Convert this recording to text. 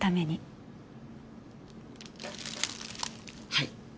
はい。